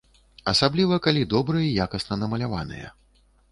Асабліва калі добра і якасна намаляваныя.